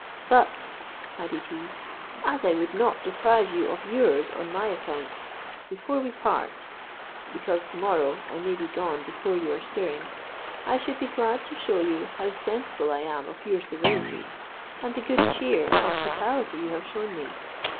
"But," added he, "as I would not deprive you of yours on my account, before we part (because to morrow I may be gone before you are stirring), I should be glad to shew you how sensible I am of your civility, and the good cheer and hospitality you have strewn me.